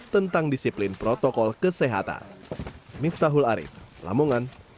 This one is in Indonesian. tentang disiplin protokol kesehatan